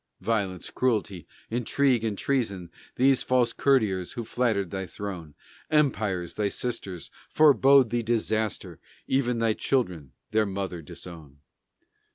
Violence, Cruelty, Intrigue, and Treason. These the false courtiers who flattered thy throne; Empires, thy sisters, forbode thee disaster, Even thy children their mother disown.